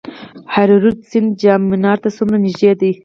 هریرود سیند جام منار ته څومره نږدې دی؟